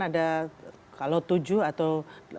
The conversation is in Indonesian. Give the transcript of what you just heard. ada kalau tujuh atau